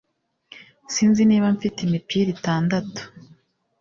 Sinzi niba mfite imipira itandatu